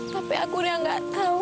tapi aku udah gak tahu